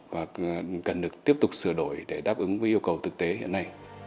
và cần được tiếp tục sửa đổi để đáp ứng với yêu cầu thực tế hiện nay